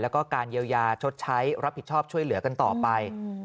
แล้วก็การเยียวยาชดใช้รับผิดชอบช่วยเหลือกันต่อไป